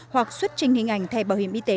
hoặc xuất trình hình ảnh thẻ bảo hiểm y tế